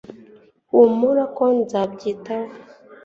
Humura ko nzabyitaho